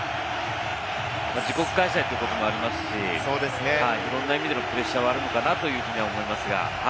自国開催ということもありますし、いろんな意味でのプレッシャーはあるのかなと思います。